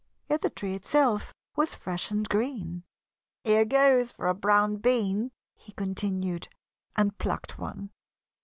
Yet the tree itself was fresh and green. "Here goes for a brown bean," he continued, and plucked one.